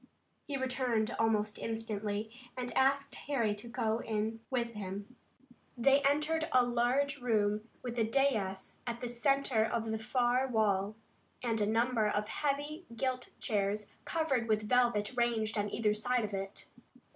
He returned almost instantly, and asked Harry to go in with him. They entered a large room, with a dais at the center of the far wall, and a number of heavy gilt chairs covered with velvet ranged on either side of it.